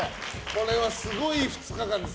これはすごい２日間です。